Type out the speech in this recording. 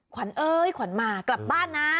เอ้ยขวัญมากลับบ้านนะ